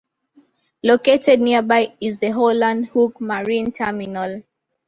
Located nearby is the Howland Hook Marine Terminal.